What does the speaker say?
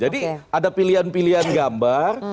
ada pilihan pilihan gambar